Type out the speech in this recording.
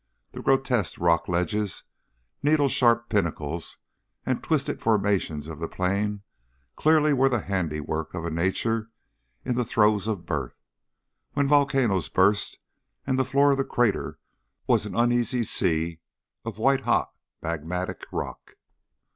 The grotesque rock ledges, needle sharp pinnacles and twisted formations of the plain clearly were the handiwork of a nature in the throes of birth, when volcanoes burst and the floor of the crater was an uneasy sea of white hot magmatic rock.